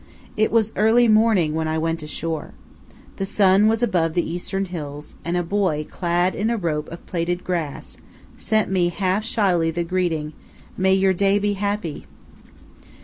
It was early morning when I went ashore. The sun was above the eastern hills, and a boy, clad in a rope of plaited grass, sent me half shyly the greeting, "May your day be happy!"